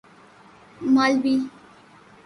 ملاوی